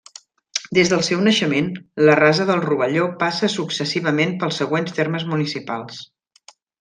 Des del seu naixement, la Rasa del Rovelló passa successivament pels següents termes municipals.